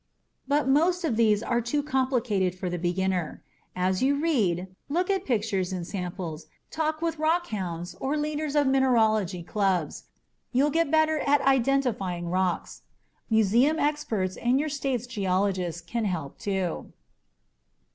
But most of these are too complicated for the beginner. As you read, look at pictures and samples, and talk with other rockhounds or leaders of mineralogy clubs, you'll get better at identifying rocks. Museum experts and your state's geologist can help, too.